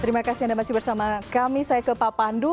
terima kasih anda masih bersama kami saya ke pak pandu